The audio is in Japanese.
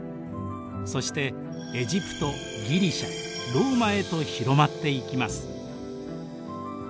そしてエジプトギリシャローマへと広まっていきます。